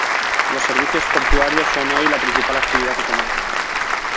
Los servicios portuarios son hoy la principal actividad económica.